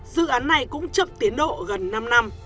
dự án này cũng chậm tiến độ gần năm năm